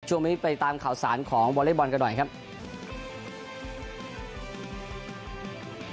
ช่วงนี้ไปตามข่าวสารของวอเล็กบอลกันหน่อยครับ